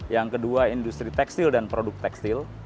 yang kedua industri tekstil dan produk tekstil